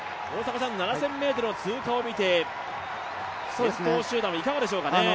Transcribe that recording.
７０００ｍ通過を見て、先頭集団はいかがでしょうかね？